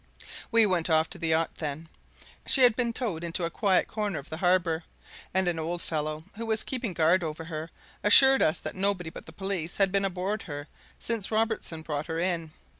We went off to the yacht then. She had been towed into a quiet corner of the harbour, and an old fellow who was keeping guard over her assured us that nobody but the police had been aboard her since Robertson brought her in.